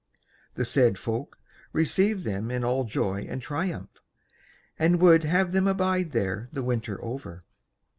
The said Folk received them in all joy and triumph, and would have them abide there the winter over.